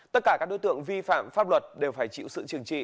tất cả các đối tượng vi phạm pháp luật đều phải chịu sự trừng trị